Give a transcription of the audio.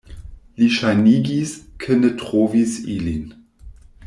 Li ŝajnigis, ke ne trovis ilin.